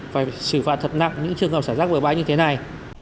và xử phạm thật nặng những trường hợp xả rác bữa bãi như thế này